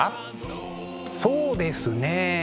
そうですね。